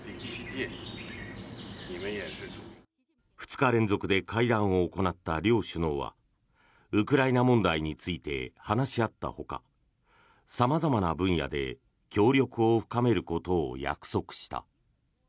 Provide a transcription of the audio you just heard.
２日連続で会談を行った両首脳はウクライナ問題について話し合ったほか様々な分野で協力を深めることを約束した。